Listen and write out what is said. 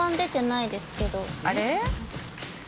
あれ？